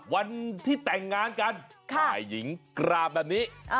วันที่แต่งงานกันฝ่ายหญิงกราบแบบนี้